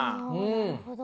なるほど。